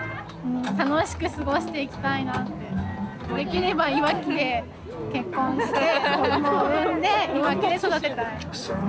できればいわきで結婚して子どもを産んでいわきで育てたい。